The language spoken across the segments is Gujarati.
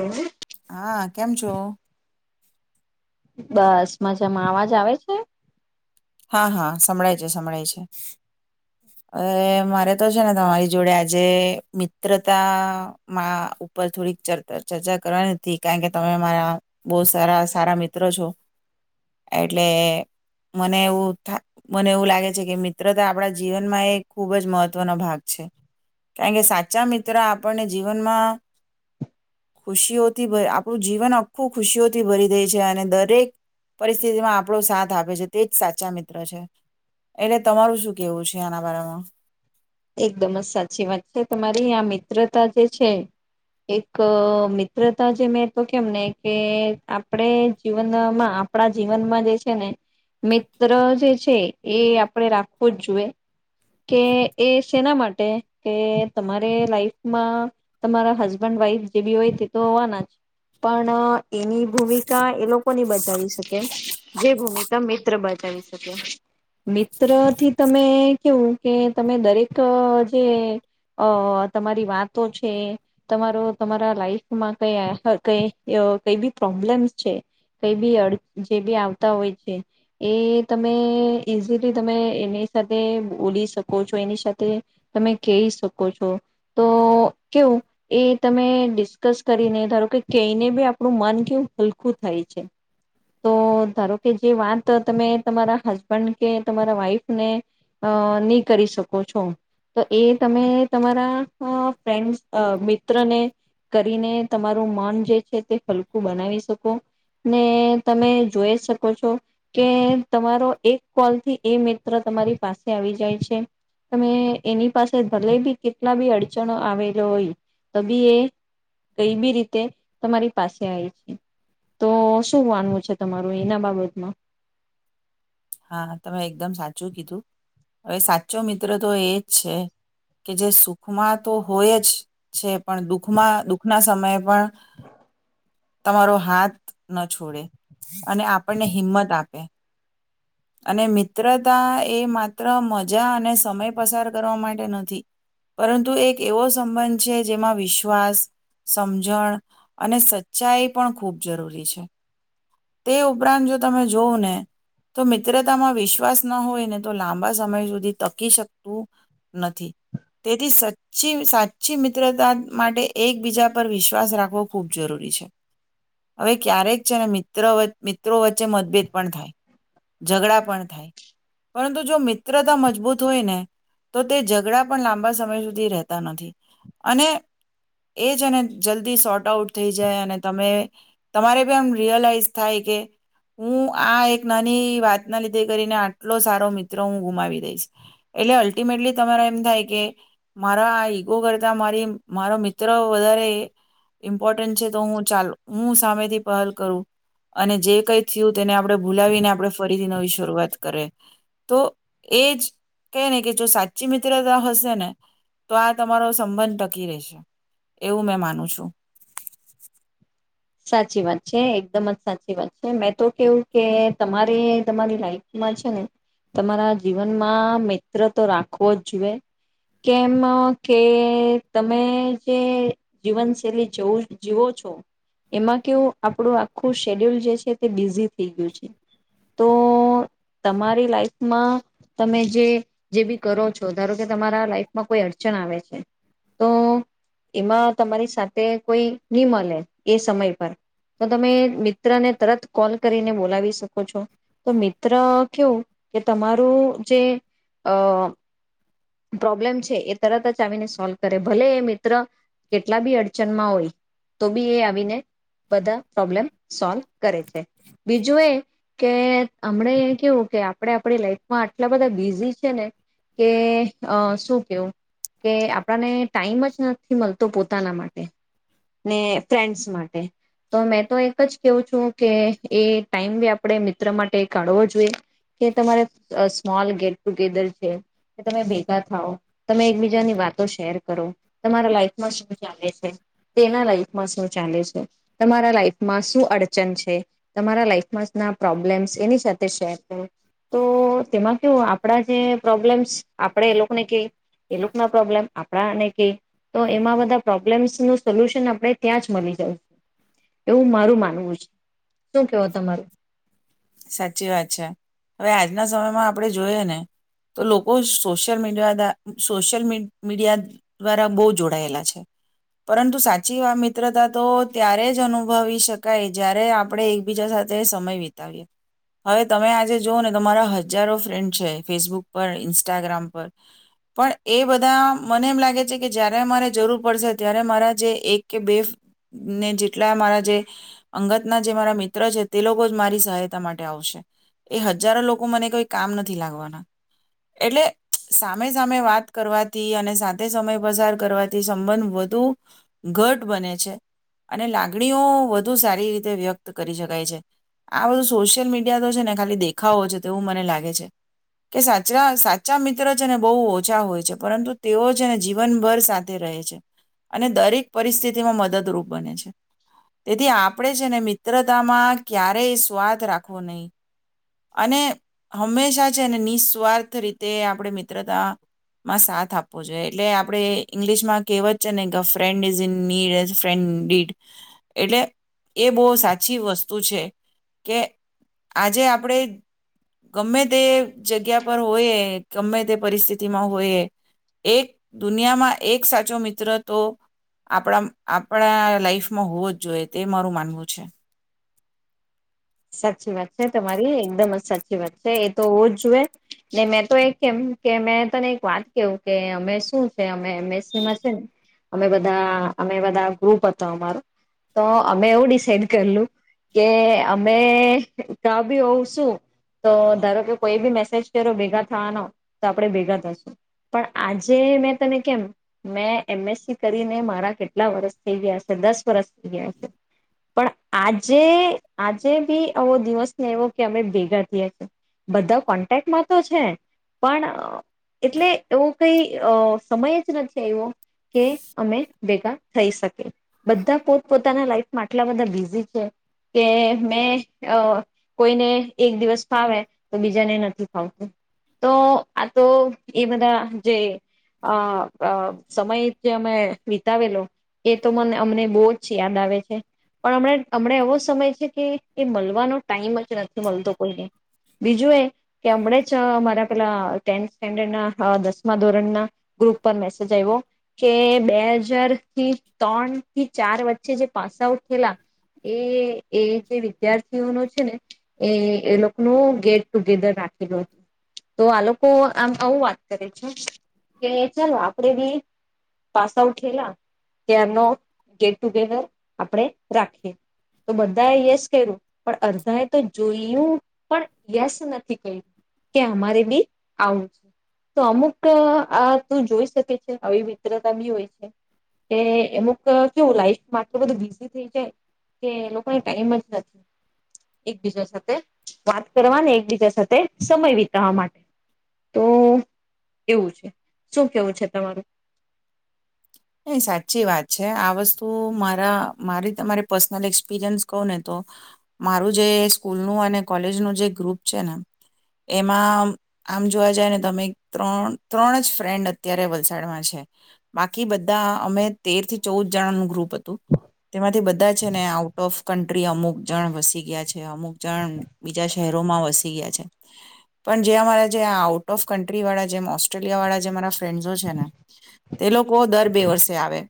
હા. હા કેમ છો? બસ મજામાં અવાજ આવે છે? હા હા સંભળાય છે સંભળાય છે, હ મારે તો છે ને તમારી જોડે આજે મિત્રતામાં ઉપર થોડીક ચર્ચા કરવાની હતી કારણ કે તમે મારા બહુ સારા સારા મિત્રો છો, એટલે મને એવું મને એવું લાગે છે કે મિત્ર તો આપણા જીવનમાં એ ખૂબ જ મહત્વનો ભાગ છે, કારણ કે સાચા મિત્ર આપણને જીવનમાં, ખુશીઓથી આપણું જીવન આખું ખુશીઓથી ભરી દે છે અને દરેક પરિસ્થિતિમાં આપણો સાથ આપે છે. તેજ સાચા મિત્ર છે, એટલે તમારું શું કેવું છે આના બરામાં. એકદમ જ સાચી વાત છે તમારી આ મિત્રતા જે છે, એક મિત્રતા જે મેં તો કેમને કે આપણે જીવનમાં આપણા જીવનમાં જે છે ને મિત્ર જે છે, એ આપણે રાખવું જ જોઈએ, કે એ શેના માટે કે તમારે લાઈફમાં તમારા હસબન્ડ વાઈફ જે બી હોય તે તો હોવાના જ, પણ એની ભૂમિકા એ લોકોની બજાવી શકે, જે ભૂમિકા મિત્ર બજાવી શકે, મિત્ર થી તમે કેવું કે તમે દરેક જે તમારી વાતો છે તમારો તમારા લાઈફમાં કઈ કઈ કઈ બી પ્રોબ્લેમ્સ છે, કઈ બી અડ જે બી આવતા હોય છે એ તમે ઈઝીલી તમે એની સાથે બોલી શકો. એની સાથે, તમે કહી શકો છો, તો કેવું એ તમે ડિસ્કસ કરીને ધારો કે કહીને બી આપણું મન કેવું હલકું થાય છે, તો ધારો કે જે વાત તમે તમારા હસબન્ડ કે તમારા વાઈફને, ની કરી શકો છો, તો એ તમે તમારા ફ્રેન્ડ મિત્રને કરીને તમારું મન જે છે તે હલકું બનાવી શકો, ને તમે જોઈ શકો છો, કે તમારો એક કોલથી એ મિત્ર તમારી પાસે આવી જાય છે. તમે એની પાસે ભલે બી કેટલા બી અડચણ આવેલો હોય, તો બી એ કઈ બી રીતે તમારી પાસે આવી છે, તો શું વાનવું છે તમારું એના બાબતમાં. હા તમે એકદમ સાચું કીધું, હવે સાચો મિત્ર તો એ જ છે કે જે સુખમાં તો હોય જ છે પણ દુખમાં દુઃખના સમયે પણ. તમારો હાથ ન છોડે અને આપણને હિંમ્મત આપે અને મિત્રતા એ માત્ર મજા અને સમય પસાર કરવા માટે નથી પરંતુ એક એવો સંબંધ છે જેમાં વિશ્વાસ સમજણ અને સચ્ચાઈ પણ ખૂબ જરૂરી છે તે ઉપરાંત જો તમે જોવં ને તો મિત્રતામાં વિશ્વાસ ના હોય ને તો લાંબા સમય સુધી તકી શકતું નથી તેથી સાચ્ચી સાચી મિત્રતા માટે એકબીજા પર વિશ્વાસ રાખવો ખૂબ જરૂરી છે હવે ક્યારેક છે ને મિત્ર મિત્રો વચ્ચે મતભેદ પણ થાય ઝઘડા પણ થાય પરંતુ જો મિત્રતા મજબૂત હોય ને તો તે ઝઘડા પણ લાંબા સમય સુધી રહેતા નથી અને એ જને જલ્દી શોર્ટ આઉટ થઈ જાય અને તમે તમારે પણ એમ રિયલાઈઝ થાય કે હું આ એક નાની વાત ના લીધે કરીને આટલો સારો મિત્ર હું ગુમાવી દઈશ એટલે અલ્ટિમેટલી તમારા એમ થાય કે મારા આ ઈગો કરતા મારી મારો મિત્ર વધારે ઇમ્પોર્ટન્ટ છે તો હું ચાલું હું સામેથી પહલ કરું અને જે કઈ થયું તેને આપડે ભૂલાવીને આપણે ફરીથી નવી શરૂઆત કરે તો એજ ક ને કે જો સાચી મિત્રતા હશે ને તો આ તમારો સંબંધ ટકી રહેશે એવું મેં માનું છું. સાચી વાત છે એકદમ જ સાચી વાત છે મેં તો કેવું કે તમારે તમારી લાઈફમાં છે ને તમારા જીવનમાં મિત્ર તો રાખવો જ જુએ કેમ કે તમે જે જીવનશૈલી જવ જીવો છો. એમાં કેવું આપણું આખું શેડ્યુલ જે છે તે બિઝી થઈ ગયું છે તો તમારી લાઈફમાં તમે જે જે બી કરો છો ધારો કે તમારા લાઈફમાં કોઈ અડચણ આવે છે તો એમાં તમારી સાથે કોઈ ન મળે. એ સમય પર તો તમે મિત્રને તરત કોલ કરીને બોલાવી શકો છો તો મિત્ર કેવું કે તમારું જે અ પ્રોબ્લેમ છે એ તરત જ આવીને સોલ્વ કરે ભલે એ મિત્ર કેટલા બી અડચણમાં હોય તો બી એ આવીને બધા પ્રોબ્લેમ સોલ્વ કરે છે બીજું એ કે હમણે એ કેવું કે આપણે આપણી લાઈફમાં આટલા બધા બિઝી છે ને કે અ શું કેવું કે આપણને ટાઈમ જ નથી મળતો પોતાના માટે ને ફ્રેન્ડસ માટે તો મેં તો એક જ કવું છું કે એ ટાઈમ બી આપણે મિત્ર માટે કાઢવો જોઈએ કે તમારે સ્મોલ ગેટ ટુગેધર છે તમે થ તમે એકબીજાની વાતો શેર કરો તમારા લાઈફમાં શું ચાલે છે તેના લાઈફમાં શું ચાલે છે તમારા લાઈફમાં શું અડચન છે તમારા લાઈફમાં ના પ્રોબ્લેમ્સ એની સાથે શેર કરો તો તેમાં કેવુ આપણા જે પ્રોબ્લેમ્સ આપણે એ લોકોને કહી એ લોકો ના પ્રોબ્લેમ આપણાને ક તો એમાં બધા પ્રોબ્લેમ્સ નું સોલ્યુશન આપણે ત્યાં જ મળી જાય છે એવું મારું માનવું છે. શું કેવો તમારું. સાચી વાત છે હવે આજના સમયમાં આપણે જોઈએ ને તો લોકો સોશિયલ મીડિયા સોશિયલ મીડિયા દ્વારા બહુ જોડાયેલા છે પરંતુ સાચી વા મિત્રતા તો ત્યારે જ અનુભવી શકાય જ્યારે આપણે એકબીજા સાથે સમય વિતાવીએ. હવે તમે આજે જોઓ ને તમારા હજારો ફ્રેન્ડ છે ફેસબુક પર ઇન્સ્ટાગ્રામ પર પણ એ બધા મને એમ લાગે છે કે જયારે મારે જરૂર પડશે ત્યારે મારા જે એક કે બે ને જેટલા મારા જે અંગતના જે મારા મિત્ર છે તે લોકો જ મારી સહાય આવ એ હજારો લોકો મને કોઈ કામ નથી લાગવાના એટલે સામે સામે વાત કરવાથી અને સાથે સમય પસાર કરવાથી સંબંધ વધુ ઘટ બને છે અને લાગણીઓ વધુ સારી રીતે વ્યક્ત કરી શકાય છે આ બધું. સોશિયલ મીડિયા તો છે ને ખાલી દેખાવો છે તેવું મને લાગે છે કે સાચા સાચા મિત્ર છે ને બહુ ઓછા હોય છે પરંતુ તેઓ છે ને જીવનભર સાથે રહે છે અને દરેક પરિસ્થિતિમાં મદદરૂપ બને છે તેથી આપણે છે ને મિત્રતામાં ક્યારેય સ્વાદ રા નહી અને હંમેશા છેને નિસ્વાર્થ રીતે આપણે મિત્રતામાં સાથ આપવો જોઈએ એટલે આપણે ઇંગ્લિશમાં કહેવત છે ને ગ ફન્ડ ઇઝ ઇ ફન્ એટલે એ બહુ સાચી વસ્તુ છે. કે આજે આપણે ગમે તે જગ્યા પર હોય ગમે તે પરિસ્થિતિમાં હોયએ એક દુનિયામાં એક સાચો મિત્ર તો આપણા આપણા લાઈફમાં હોવો જ જોઈએ તે મારું માનવું છે. સાચી વાત છે તમારી એકદમ જ સાચી વાત છે એ તો જ જોુએ ને મેં તો એ કેમ કે મેં તને એક વાત કેું કે અમે શું છે અમે એમએસસીમાં છે ને અમે બધા અમે બધા ગ્રુપ હતો અમારો તો અમે એવું ડિસાઇડ કરલું કે અમે કા બી હોઉં છું તો ધારો કે કોઈ બી મેસેજ કરો ભેગા થવાનો તો આપણે ભેગા થશું પણ આજે મેં તને કેમ મેં એમએસસી કરીને મારા કેટલા વરસ થઈ ગયા છે દસ વરષ થઈ ગયા છે પણ આજે આજે બી આવો દિવસ ને એવો કે અમે ભેગા થયા છીએ બધા કોન્ટેક્ટમાં તો છે પણ એટલે એવો કઈ સમય જ નથી આવ્યો કે અમે ભેગા થઈ શકીએ બધા પોત પોતાના લાઈફમાં આટલા બધા બિઝી છે. કે મેં કોઈને એક દિવસ ફાવે તો બીજાને નથી ફાવતું તો આ તો એ બધા જે સમય જે અમે વિતાવેલો એ તો મને અમને બહુ જ યાદ આવે છે પણ હમણ એવો. નો ટાઈમ જ નથી મળતો કોઈને બીજું એ કે હમ જ મારા પેલા ટેન્થ સ્ટેન્ડ ના દસમા ધોરણ ના ગ્રુપ પર મેસેજ આવ્યો કે બે હજાર થી ત્રણથી ચાર વચ્ચે જે પાસ આઉટ થયેલા એ એ જે વિદ્યાર્થીઓ ન છે ને એ એ લોકોનું ગેટ ટુગેધર રાખેલું હતું તો આ લોકો આમ આવું વાત કરે છે કે ચાલો આપણેે બી પાસ આઉટેલા ત્યારનો ગેટ ટુગેધર આપણે રાખીએ. તો બધાએ યસ કર્યું પણ અર્ધા એ તો જોયું પણ યસ નથી કર્યું કે અમારે બી આવું છે તો અમુક આ તું જોઈ શકે છે આવી મિત્રતા બી હોય છે કે અમુક કેવું લાઈફમાં આટલું બધું બીઝી થઈ જાય. કે લોકોને ટાઈમ જ નથી એકબીજા સાથે વાત કરવાને એકબીજા સાથે સમય વિતાવા માટે તો એવું છે શું કેવું છે તમારું એ સાચી વાત છે આ વસ્તુ મારા મારી તમારી પર્સનલ એક્સપિરિયન્સ કહું ને તો મારું જે સ્કૂલનું અને કોલેજનું જે ગ્રુપ છે ને એમાં આમ જોવા જાય ને તમે ત્રણ ત્રણ જ ફ્રેન્ડ અત્યારે વલસાડમાં છે બાકી બધા બ અમે તેર થી ચૌદ જણા નું ગ્રુપ હતું તેમાંથી બધા છે ને આઉટ ઓફ કન્ટ્રી અમુક જણ વસી ગયા છે અમુક જણ બીજા શહેરોમાં વસી ગયા છે પણ જે અમારા જે આઉટ ઓફ કન્ટ્રી વાળા જેમ ઓસ્ટ્રેલિયા વાળા જે અરા ફ્રેન્ડસો છે ને તે લોકો દર બે વર્ષે આવે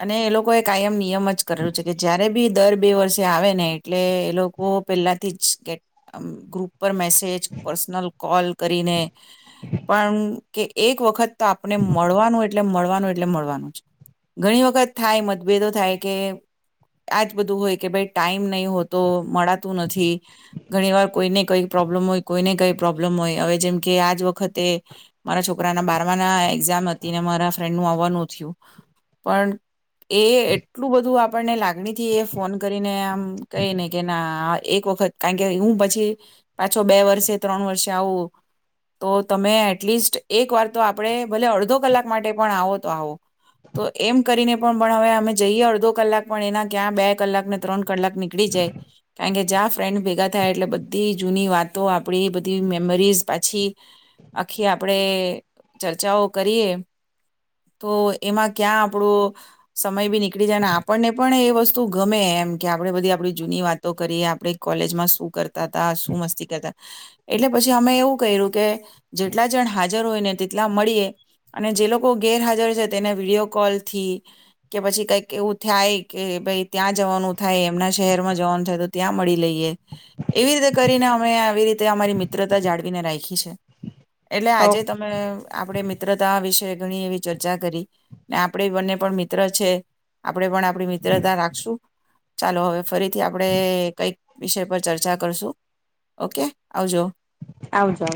અને એ લોકો કાયમ નિયમ જ કરેલું છે કે જયારે બી દર બે વર્ષે આવે ને એટલે એ લોકો પેલાથી જટ ગ્રુપ પર મેસેજ પર્સનલ કોલ કરીને પણ કે એક વખત તો આપને મળવાનું એટલે મળવાનું. એ મળનું ઘણી વખત થાય મતભેદો થાય કે આજ બધું હોય કે ભાઈ ટાઈમ નહી હોતો મળતું નથી ઘણી વાર કોઈને કઈ પ્રોબ્લમ હોય કોઈને કઈ પ્રોબ્લમ હોય હવે જેમ કે આજ વખતે મારા છોકરાના બારમા ના એઝામ હતી ને મારા ફ્રેન્ડનું થયું પણ એ એટલું બધું આપણને લાગણીથી એ ફોન કરીને આમ કહી ને કે ના એક વખત કારણ કે હું પછી પાછો બે વર્ષે ત્રણ વર્ષે આવું તો તમે એટલીસ્ટ એક વાર તો આપણે ભલે અડધો કલાક માટે પણ આવો તો આવો તો એમ કરીને પણ પણ હવે અમે જઈએ અડધો કલાક પણ એના ક્યાં બે કલાક ને ત્રણ કલાક નીકળી જાય કારણ કે જ્યાં ફ્રેન્ડ ભેગા થાય એટલે બધી જૂની વાતો આપડી બધી મેમરીઝ પાછી આખી આપણેે. ચર્ચાઓ કરીએ. તો એમાં ક્યાં આપણો સમય બી નીકળી જાય ને આપણને પણ એ વસ્તુ ગમે એમ કે આપણે બધી આપણી જૂની વાતો કરીએ આપણે કોલેજમાં શું કરતા હતા શું મસ્તી કરતા એટલે પછી અમે એવું કર્યું કે જેટલા જણ હાજ જર હોય ને તેટલા મળીએ અને જે લોકો ગેરહાજર છે તેને વિડીયો કોલ થી કે પછી કઈક એવું થાય કે ભઈ ત્યાં જવાનું થાય એમના શહેરમાં જવાનું થાય તો ત્યાં મળી લઈએ, એવી રીતે કરીને અમે આવી રીતે અમારી મિત્રતા જાળવીને રાઈખી છે. એટલે આજે તમે આપડે મિત ત્રતા વિશે ઘણી એવી ચર્ચા કરી, ને આપણે બંને પણ મિત્ર છે, આપણે પણ આપણી મિત્રતા રાખશું ચાલો હવે ફરીથી આપણેે કઈક વિષય પર ચર્ચા કરશું, ઓકે આવજો. આવજો.